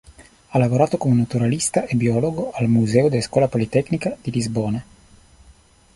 Ha lavorato come naturalista e biologo al "Museu da Escola Politecnica" di Lisbona.